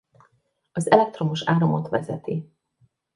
Az elektromos áramot vezeti.